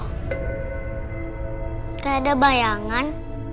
gak ada bayangan